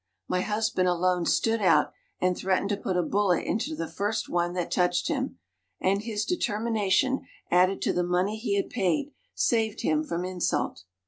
My husband alone stood out and threatened to put a bullet into the first one that touched him, and his determination, added to the money he had paid, saved him from insult.